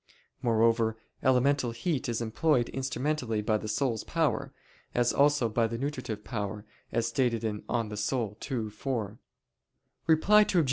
Moreover, elemental heat is employed instrumentally by the soul's power, as also by the nutritive power, as stated (De Anima ii, 4). Reply Obj.